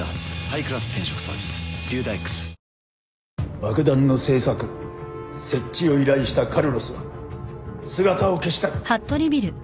爆弾の製作設置を依頼したカルロスは姿を消した。